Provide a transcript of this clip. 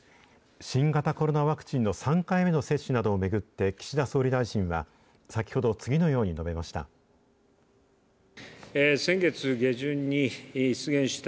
新型コロナワクチンの３回目の接種などを巡って、岸田総理大臣は、先ほど、次のように述べました。